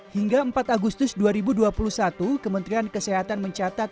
hingga empat agustus dua ribu dua puluh satu kementerian kesehatan mencatat